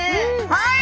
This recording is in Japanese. はい。